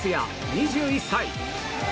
２１歳。